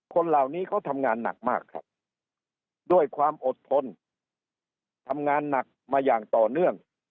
คนเหล่านี้เขาทำงานหนักมากครับด้วยความอดทนทำงานหนักมาอย่างต่อเนื่อง